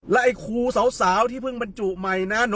และไอ้ครูสาวที่เพิ่งมาจุดใหม่นะ